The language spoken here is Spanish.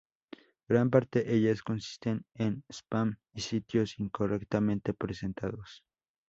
Gran parte ellas consisten en spam, y sitios incorrectamente presentados.